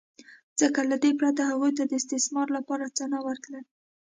ځکه له دې پرته هغوی ته د استثمار لپاره څه نه ورتلل